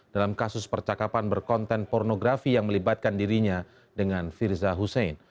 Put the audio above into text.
dalam kasus percakapan berkonten pornografi yang melibatkan dirinya dengan firza husein